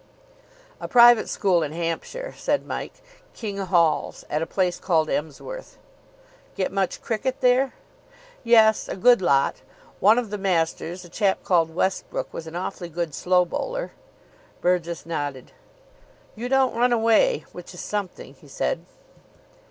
"A private school in Hampshire," said Mike. "King Hall's. At a place called Emsworth." "Get much cricket there?" "Yes, a good lot. One of the masters, a chap called Westbrook, was an awfully good slow bowler." Burgess nodded. "You don't run away, which is something," he said.